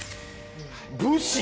武士！